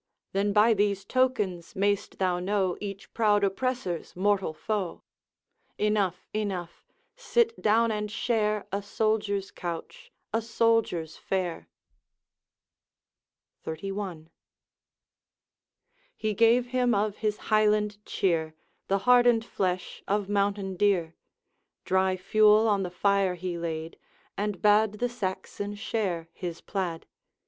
'Then by these tokens mayst thou know Each proud oppressor's mortal foe.' 'Enough, enough; sit down and share A soldier's couch, a soldier's fare.' XXXI.. He gave him of his Highland cheer, The hardened flesh of mountain deer; Dry fuel on the fire he laid, And bade the Saxon share his plaid.